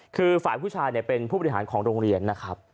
คือฝ่ายผู้ชายเป็นผู้บริหารของโรงเรียนนะครับ